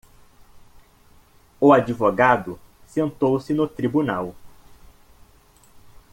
O advogado sentou-se no tribunal.